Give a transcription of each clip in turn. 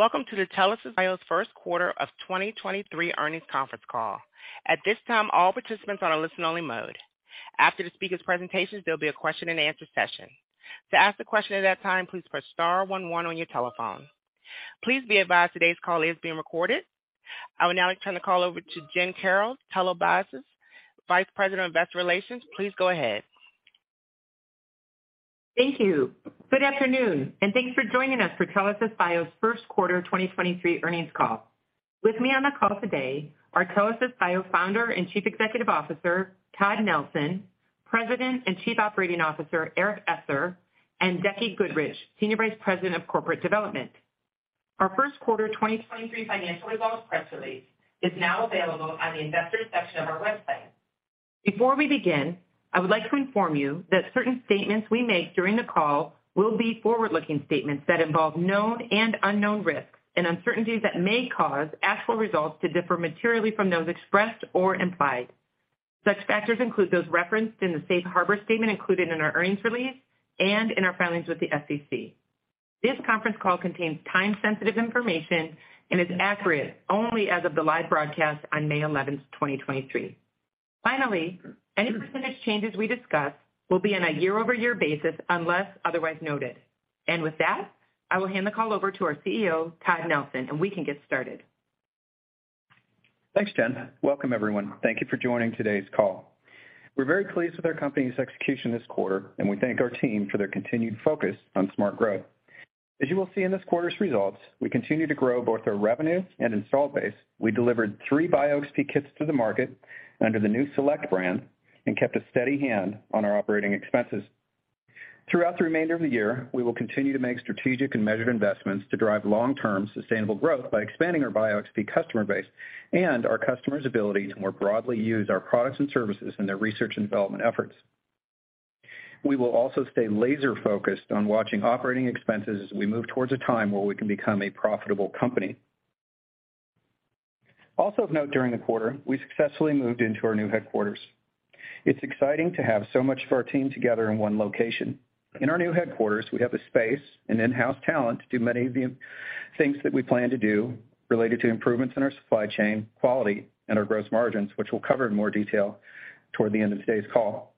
Welcome to the Telesis Bio's First Quarter of 2023 Earnings Conference Call. At this time, all participants are on a listen only mode. After the speaker's presentations, there'll be a question-and-answer session. To ask a question at that time, please press star one, one on your telephone. Please be advised today's call is being recorded. I would now like to turn the call over to Jen Carroll, Telesis Bio's Vice President of Investor Relations. Please go ahead. Thank you. Good afternoon. Thanks for joining us for Telesis Bio's first quarter 2023 earnings call. With me on the call today are Telesis Bio Founder and Chief Executive Officer, Todd Nelson; President and Chief Operating Officer, Eric Esser; and Rebecca Goodrich, Senior Vice President of Corporate Development. Our first quarter 2023 financial results press release is now available on the investors section of our website. Before we begin, I would like to inform you that certain statements we make during the call will be forward-looking statements that involve known and unknown risks and uncertainties that may cause actual results to differ materially from those expressed or implied. Such factors include those referenced in the safe harbor statement included in our earnings release and in our filings with the SEC. This conference call contains time-sensitive information and is accurate only as of the live broadcast on 11 May 2023. Finally, any percent changes we discuss will be on a year-over-year basis unless otherwise noted. With that, I will hand the call over to our CEO, Todd Nelson, and we can get started. Thanks, Jen. Welcome, everyone. Thank you for joining today's call. We're very pleased with our company's execution this quarter, and we thank our team for their continued focus on smart growth. As you will see in this quarter's results, we continue to grow both our revenue and install base. We delivered three BioXp kits to the market under the new Select brand and kept a steady hand on our operating expenses. Throughout the remainder of the year, we will continue to make strategic and measured investments to drive long-term sustainable growth by expanding our BioXp customer base and our customers' ability to more broadly use our products and services in their research and development efforts. We will also stay laser-focused on watching operating expenses as we move towards a time where we can become a profitable company. Also, of note during the quarter, we successfully moved into our new headquarters. It's exciting to have so much of our team together in one location. In our new headquarters, we have the space and in-house talent to do many of the things that we plan to do related to improvements in our supply chain quality and our gross margins, which we'll cover in more detail toward the end of today's call.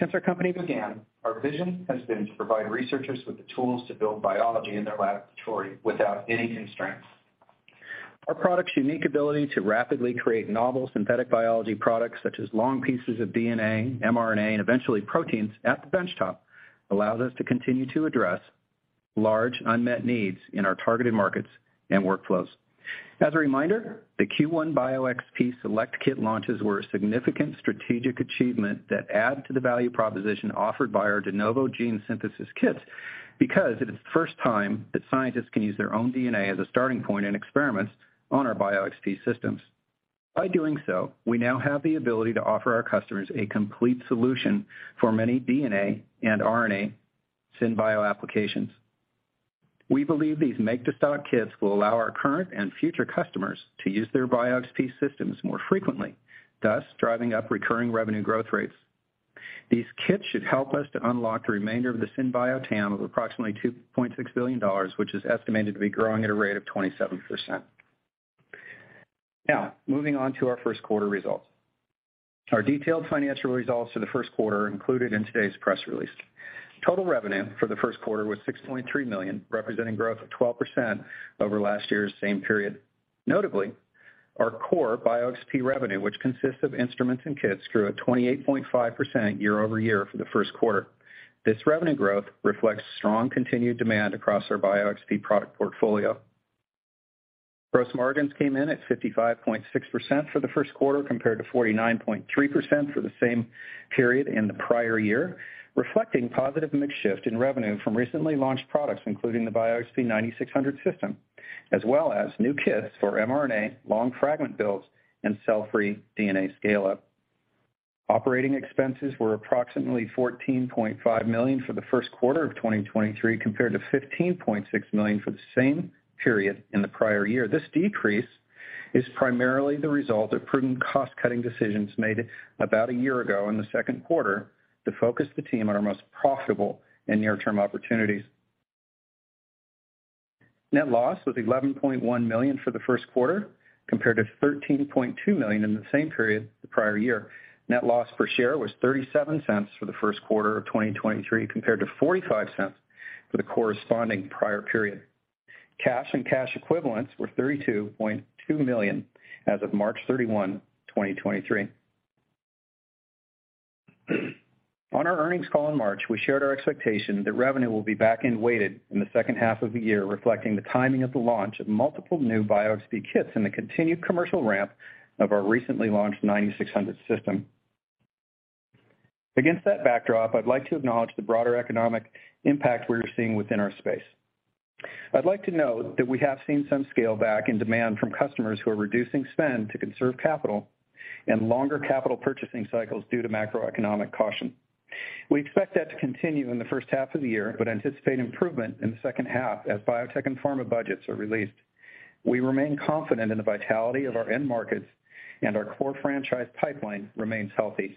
Since our company began, our vision has been to provide researchers with the tools to build biology in their laboratory without any constraints. Our products' unique ability to rapidly create novel synthetic biology products such as long pieces of DNA, mRNA, and eventually proteins at the benchtop allows us to continue to address large unmet needs in our targeted markets and workflows. As a reminder, the first quarter BioXp Select kit launches were a significant strategic achievement that add to the value proposition offered by our de novo gene synthesis kits because it is the first time that scientists can use their own DNA as a starting point in experiments on our BioXp systems. By doing so, we now have the ability to offer our customers a complete solution for many DNA and RNA synbio applications. We believe these make-to-stock kits will allow our current and future customers to use their BioXp systems more frequently, thus driving up recurring revenue growth rates. These kits should help us to unlock the remainder of the synbio TAM of approximately $2.6 billion, which is estimated to be growing at a rate of 27%. Now, moving on to our first quarter results. Our detailed financial results for the first quarter are included in today's press release. Total revenue for the first quarter was $6.3 million, representing growth of 12% over last year's same period. Notably, our core BioXp revenue, which consists of instruments and kits, grew at 28.5% year-over-year for the first quarter. This revenue growth reflects strong continued demand across our BioXp product portfolio. Gross margins came in at 55.6% for the first quarter compared to 49.3% for the same period in the prior year, reflecting positive mix shift in revenue from recently launched products, including the BioXp 9600 system, as well as new kits for mRNA, long fragment builds, and cell-free DNA scale-up. Operating expenses were approximately $14.5 million for the first quarter of 2023 compared to $15.6 million for the same period in the prior year. This decrease is primarily the result of prudent cost-cutting decisions made about a year ago in the second quarter to focus the team on our most profitable and near-term opportunities. Net loss was $11.1 million for the first quarter compared to $13.2 million in the same period the prior year. Net loss per share was $0.37 for the first quarter of 2023 compared to $0.45 for the corresponding prior period. Cash and cash equivalents were $32.2 million as of 31 March 2023. On our earnings call in March, we shared our expectation that revenue will be back-end weighted in the second half of the year, reflecting the timing of the launch of multiple new BioXp kits and the continued commercial ramp of our recently launched 9600 system. Against that backdrop, I'd like to acknowledge the broader economic impact we're seeing within our space. I'd like to note that we have seen some scale back in demand from customers who are reducing spend to conserve capital and longer capital purchasing cycles due to macroeconomic caution. We expect that to continue in the first half of the year, anticipate improvement in the second half as biotech and pharma budgets are released. We remain confident in the vitality of our end markets; our core franchise pipeline remains healthy.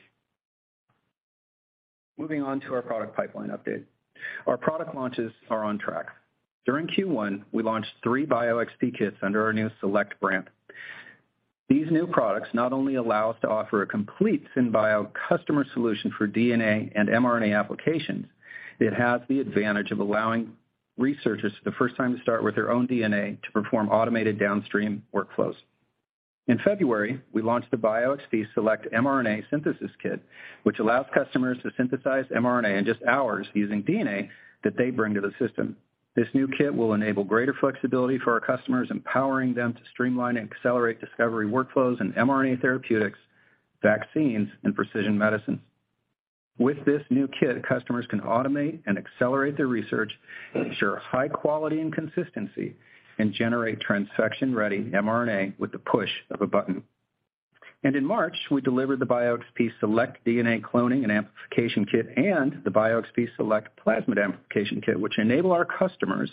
Moving on to our product pipeline update. Our product launches are on track. During first quarter, we launched three BioXp kits under our new Select brand. These new products not only allow us to offer a complete synbio customer solution for DNA and mRNA applications, it has the advantage of allowing researchers for the first time to start with their own DNA to perform automated downstream workflows. In February, we launched the BioXp Select mRNA Synthesis Kit, which allows customers to synthesize mRNA in just hours using DNA that they bring to the system. This new kit will enable greater flexibility for our customers, empowering them to streamline and accelerate discovery workflows in mRNA therapeutics, vaccines, and precision medicine. With this new kit, customers can automate and accelerate their research, ensure high quality and consistency, and generate transfection-ready mRNA with the push of a button. In March, we delivered the BioXp Select DNA Cloning and Amplification Kit and the BioXp Select Plasmid Amplification Kit, which enable our customers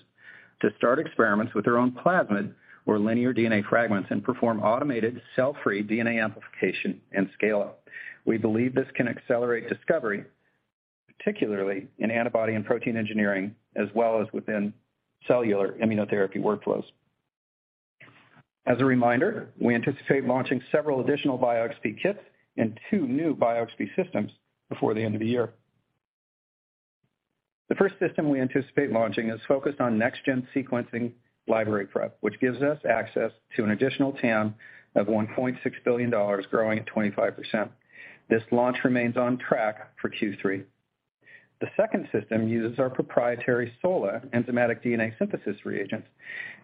to start experiments with their own plasmid or linear DNA fragments and perform automated cell-free DNA amplification and scale-up. We believe this can accelerate discovery, particularly in antibody and protein engineering, as well as within cellular immunotherapy workflows. As a reminder, we anticipate launching several additional BioXp kits and two new BioXp systems before the end of the year. The first system we anticipate launching is focused on next-gen sequencing library prep, which gives us access to an additional TAM of $1.6 billion growing at 25%. This launch remains on track for third quarter. The second system uses our proprietary SOLA enzymatic DNA synthesis reagents.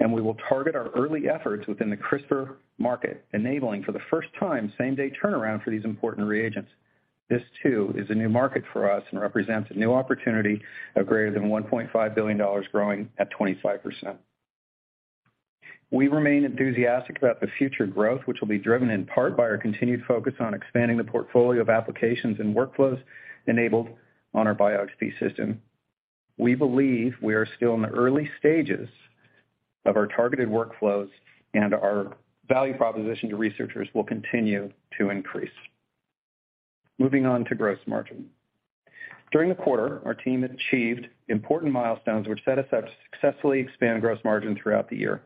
We will target our early efforts within the CRISPR market, enabling for the first time same-day turnaround for these important reagents. This, too, is a new market for us and represents a new opportunity of greater than $1.5 billion growing at 25%. We remain enthusiastic about the future growth, which will be driven in part by our continued focus on expanding the portfolio of applications and workflows enabled on our BioXp system. We believe we are still in the early stages of our targeted workflows. Our value proposition to researchers will continue to increase. Moving on to gross margin. During the quarter, our team achieved important milestones, which set us up to successfully expand gross margin throughout the year.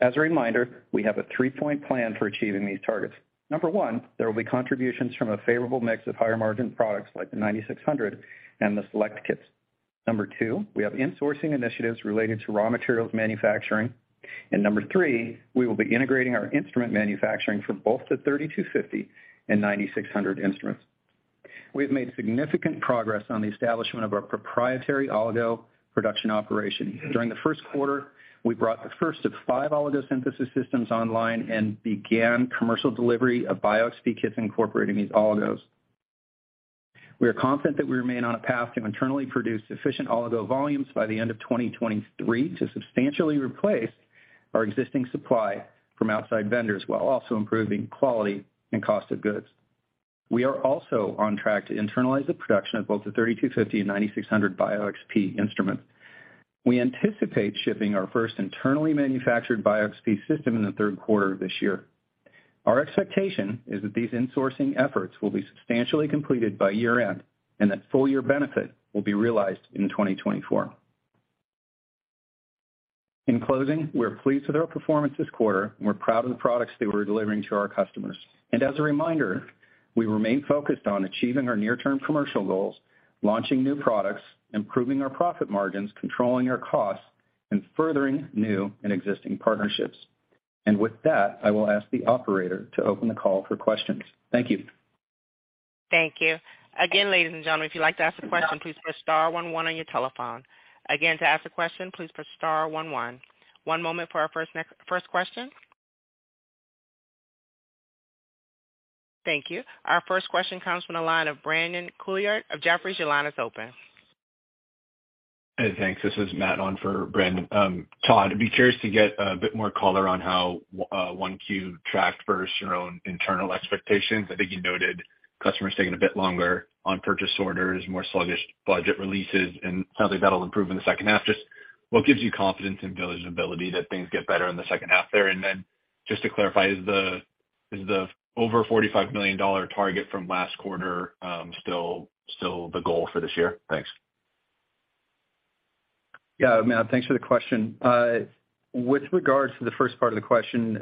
As a reminder, we have a three-point plan for achieving these targets. Number one, there will be contributions from a favorable mix of higher margin products like the 9600 and the Select kits. Number two, we have insourcing initiatives related to raw materials manufacturing. Number three, we will be integrating our instrument manufacturing for both the 3250 and 9600 instruments. We have made significant progress on the establishment of our proprietary oligo production operation. During the first quarter, we brought the first of five oligo synthesis systems online and began commercial delivery of BioXp kits incorporating these oligos. We are confident that we remain on a path to internally produce sufficient oligo volumes by the end of 2023 to substantially replace our existing supply from outside vendors while also improving quality and cost of goods. We are also on track to internalize the production of both the 3250 and 9600 BioXp instruments. We anticipate shipping our first internally manufactured BioXp system in the third quarter of this year. Our expectation is that these insourcing efforts will be substantially completed by year-end and that full year benefit will be realized in 2024. In closing, we are pleased with our performance this quarter. We're proud of the products that we're delivering to our customers. As a reminder, we remain focused on achieving our near-term commercial goals, launching new products, improving our profit margins, controlling our costs, and furthering new and existing partnerships. With that, I will ask the operator to open the call for questions. Thank you. Thank you. Again, ladies and gentlemen, if you'd like to ask a question, please press star one, one on your telephone. Again, to ask a question, please press star one, one. One moment for our first question. Thank you. Our first question comes from the line of Brandon Couillard of Jefferies. Your line is open. Thanks. This is Matt on for Brandon. Todd, I'd be curious to get a bit more color on how first quarter tracked versus your own internal expectations. I think you noted customers taking a bit longer on purchase orders, more sluggish budget releases, and sounds like that'll improve in the second half. Just what gives you confidence in visibility that things get better in the second half there? Just to clarify, is the over $45 million target from last quarter still the goal for this year? Thanks. Matt, thanks for the question. With regards to the first part of the question,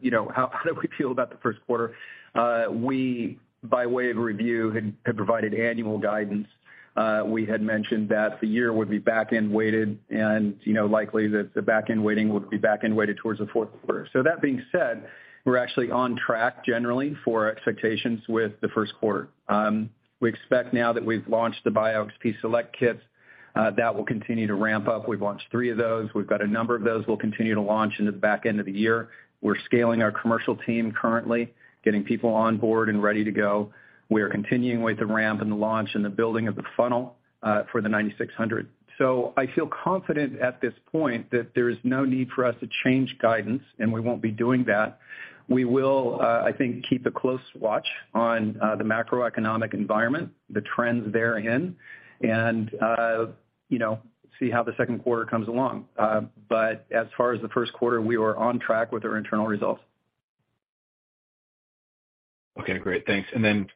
you know, how do we feel about the first quarter? We, by way of review, had provided annual guidance. We had mentioned that the year would be back-end weighted and, you know, likely that the back-end weighting would be back-end weighted towards the fourth quarter. That being said, we're actually on track generally for expectations with the first quarter. We expect now that we've launched the BioXp Select kits, that will continue to ramp up. We've launched three of those. We've got a number of those we'll continue to launch into the back end of the year. We're scaling our commercial team currently, getting people on board and ready to go. We are continuing with the ramp and the launch and the building of the funnel for the 9600. I feel confident at this point that there is no need for us to change guidance, and we won't be doing that. We will, I think, keep a close watch on the macroeconomic environment, the trends therein, and, you know, see how the second quarter comes along. As far as the first quarter, we were on track with our internal results. Okay, great. Thanks. Then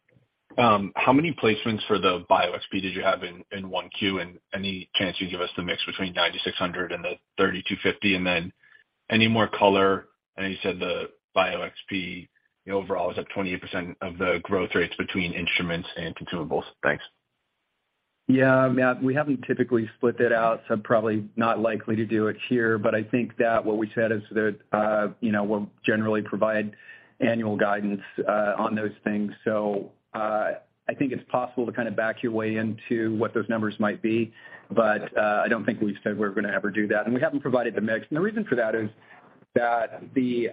how many placements for the BioXp did you have in first quarter? Any chance you give us the mix between 9600 and the BioXp 3250? Then any more color, I know you said the BioXp overall was up 28% of the growth rates between instruments and consumables. Thanks. Yeah. Matt, we haven't typically split that out, probably not likely to do it here. I think that what we said is that, you know, we'll generally provide annual guidance on those things. I think it's possible to kind of back your way into what those numbers might be. I don't think we've said we're gonna ever do that, and we haven't provided the mix. The reason for that is that the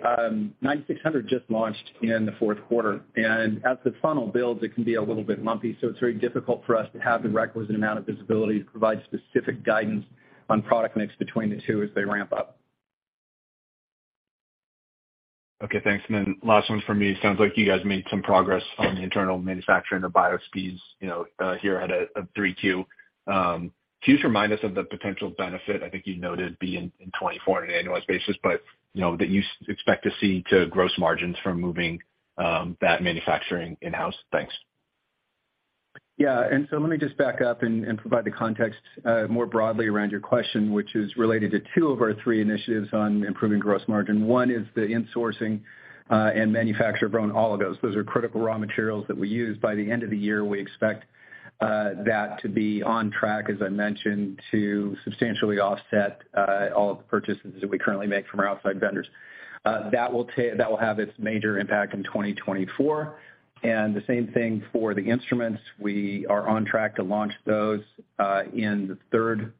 9600 just launched in the fourth quarter, and as the funnel builds, it can be a little bit lumpy. It's very difficult for us to have the requisite amount of visibility to provide specific guidance on product mix between the two as they ramp up. Okay, thanks. Last one from me. Sounds like you guys made some progress on the internal manufacturing of BioXps, you know, here at third quarter. Can you just remind us of the potential benefit, I think you noted be in 2024 on an annualized basis, but, you know, that you expect to see to gross margins from moving that manufacturing in-house. Thanks. Let me just back up and provide the context more broadly around your question, which is related to two of our three initiatives on improving gross margin. One is the insourcing and manufacture of our own oligos. Those are critical raw materials that we use. By the end of the year, we expect that to be on track, as I mentioned, to substantially offset all of the purchases that we currently make from our outside vendors. That will have its major impact in 2024. The same thing for the instruments. We are on track to launch those in the third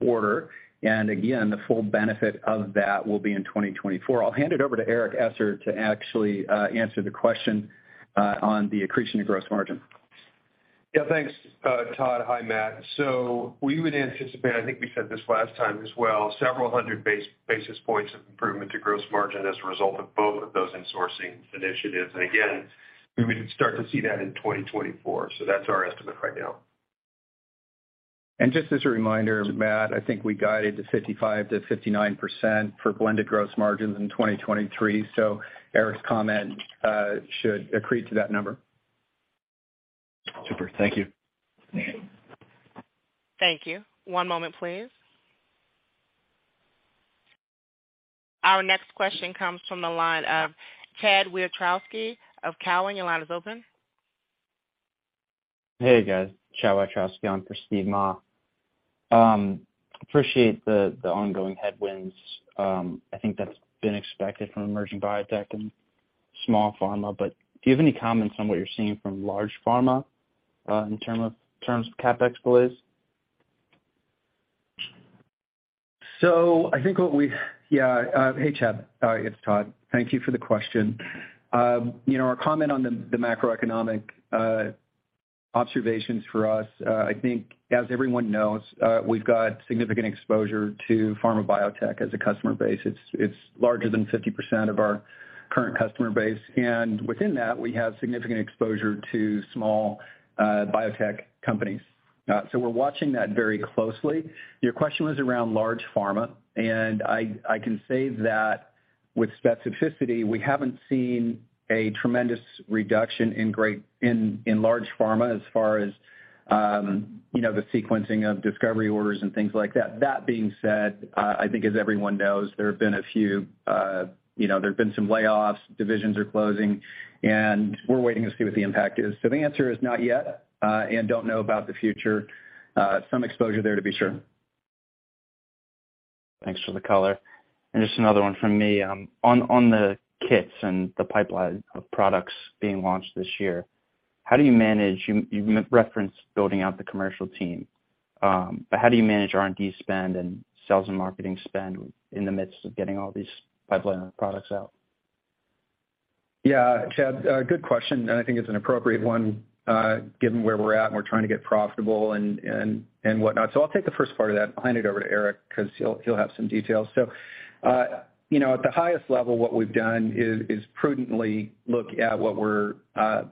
quarter. Again, the full benefit of that will be in 2024. I'll hand it over to Eric Esser to actually answer the question on the accretion of gross margin. Yeah, thanks, Todd. Hi, Matt. We would anticipate, I think we said this last time as well, several hundred basis points of improvement to gross margin as a result of both of those insourcing initiatives. Again, we would start to see that in 2024. That's our estimate right now. Just as a reminder, Matt, I think we guided to 55% to 59% for blended gross margins in 2023. Eric's comment should accrete to that number. Super. Thank you. Yeah. Thank you. One moment, please. Our next question comes from the line of Chad Wiatrowski of Cowen. Your line is open. Hey, guys. Chad Wiatrowski on for Steve Ma. Appreciate the ongoing headwinds. I think that's been expected from emerging biotech and small pharma. Do you have any comments on what you're seeing from large pharma, in terms of CapEx delays? Yeah, hey, Chad, it's Todd. Thank you for the question. you know, our comment on the macroeconomic observations for us, I think, as everyone knows, we've got significant exposure to pharma biotech as a customer base. It's larger than 50% of our current customer base, and within that, we have significant exposure to small biotech companies. We're watching that very closely. Your question was around large pharma, and I can say that with specificity, we haven't seen a tremendous reduction in large pharma as far as, you know, the sequencing of discovery orders and things like that. That being said, I think as everyone knows, there have been a few, you know, there have been some layoffs, divisions are closing, and we're waiting to see what the impact is. The answer is not yet, and don't know about the future. Some exposure there to be sure. Thanks for the color. Just another one from me. On the kits and the pipeline of products being launched this year, how do you manage? You referenced building out the commercial team, but how do you manage R&D spend and sales and marketing spend in the midst of getting all these pipeline products out? Chad, a good question, I think it's an appropriate one, given where we're at and we're trying to get profitable and whatnot. I'll take the first part of that and hand it over to Eric 'cause he'll have some details. You know, at the highest level, what we've done is prudently look at what we're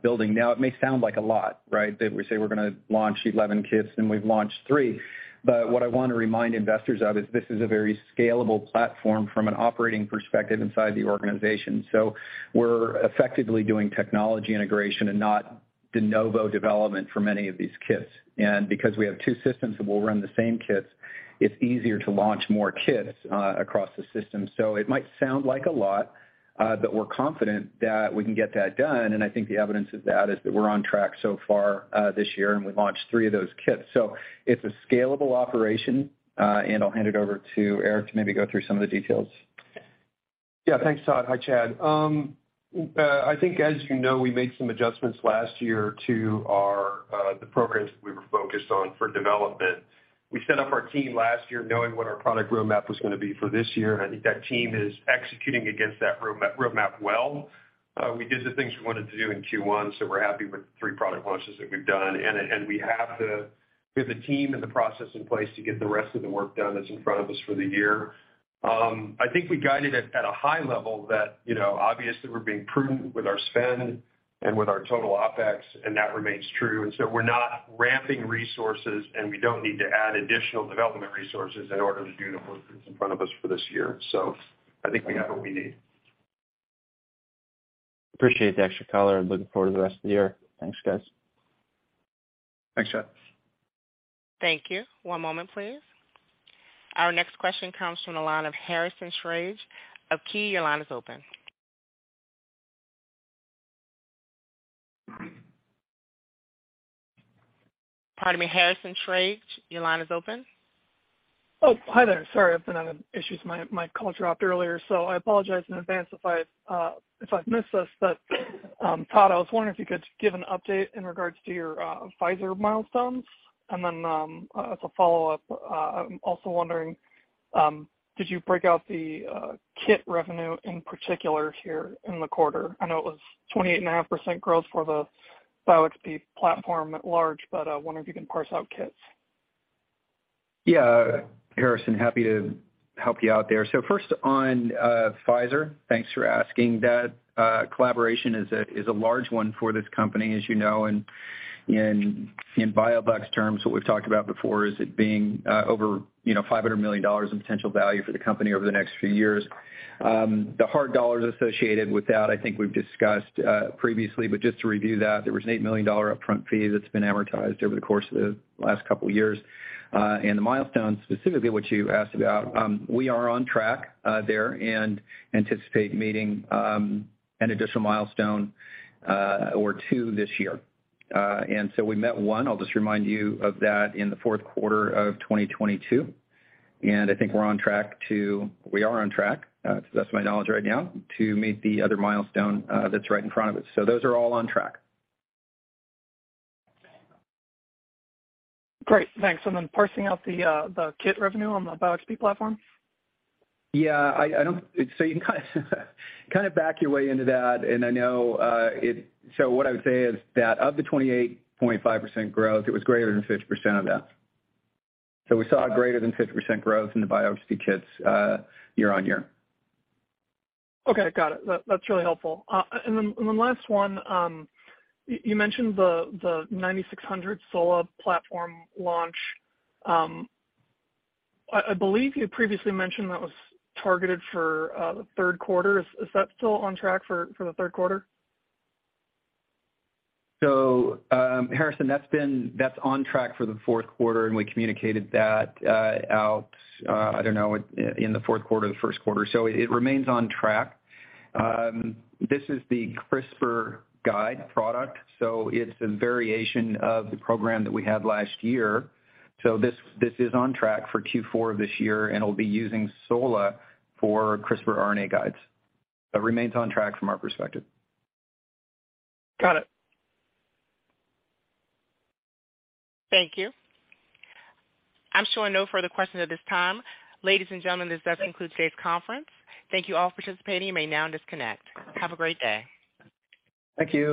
building now. It may sound like a lot, right? That we say we're gonna launch 11 kits and we've launched three. What I wanna remind investors of is this is a very scalable platform from an operating perspective inside the organization. We're effectively doing technology integration and not de novo development for many of these kits. Because we have two systems that will run the same kits, it's easier to launch more kits across the system. It might sound like a lot, but we're confident that we can get that done, and I think the evidence of that is that we're on track so far, this year, and we've launched three of those kits. It's a scalable operation, and I'll hand it over to Eric to maybe go through some of the details. Yeah. Thanks, Todd. Hi, Chad. I think, as you know, we made some adjustments last year to our... the programs that we were focused on for development. We set up our team last year knowing what our product roadmap was gonna be for this year, and I think that team is executing against that roadmap well. We did the things we wanted to do in first quarter, so we're happy with the three product launches that we've done. We have the team and the process in place to get the rest of the work done that's in front of us for the year. I think we guided at a high level that, you know, obviously we're being prudent with our spend and with our total OpEx, and that remains true. We're not ramping resources, and we don't need to add additional development resources in order to do the work that's in front of us for this year. I think we have what we need. Appreciate the extra color. Looking forward to the rest of the year. Thanks, guys. Thanks, Chad. Thank you. One moment, please. Our next question comes from the line of Harrison Schrage of Key. Your line is open. Pardon me, Harrison Schrage, your line is open. Oh, hi there. Sorry, I've been having issues. My call dropped earlier, so I apologize in advance if I've missed this. Todd, I was wondering if you could give an update in regards to your Pfizer milestones. Then, as a follow-up, I'm also wondering, did you break out the kit revenue in particular here in the quarter? I know it was 28.5% growth for the BioXp platform at large but wondering if you can parse out kits. Yeah, Harrison, happy to help you out there. First on Pfizer, thanks for asking that. Collaboration is a large one for this company, as you know. In bio-bucks terms, what we've talked about before is it being over, you know, $500 million in potential value for the company over the next few years. The hard dollars associated with that I think we've discussed previously, but just to review that, there was an $8 million upfront fee that's been amortized over the course of the last couple years. The milestones, specifically what you asked about, we are on track there and anticipate meeting an additional milestone or two this year. We met 1, I'll just remind you of that, in the fourth quarter of 2022. I think we're on track. We are on track to the best of my knowledge right now; to meet the other milestone that's right in front of us. Those are all on track. Great. Thanks. Then parsing out the kit revenue on the BioXp platform. Yeah, I don't. You can kind of back your way into that, and I know. What I would say is that of the 28.5% growth, it was greater than 50% of that. We saw a greater than 50% growth in the BioXp kits year-on-year. Okay, got it. That's really helpful. Last one, you mentioned the 9600 SOLA platform launch. I believe you previously mentioned that was targeted for the third quarter. Is that still on track for the third quarter? Harrison, that's on track for the fourth quarter, and we communicated that out, I don't know, in the fourth quarter, the first quarter. It remains on track. This is the CRISPR guide product, so it's a variation of the program that we had last year. This is on track for fourth quarter this year, and it'll be using SOLA for CRISPR RNA guides. It remains on track from our perspective. Got it. Thank you. I'm showing no further questions at this time. Ladies and gentlemen, this does conclude today's conference. Thank you all for participating. You may now disconnect. Have a great day. Thank you.